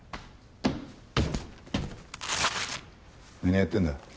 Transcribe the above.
何やってんだ？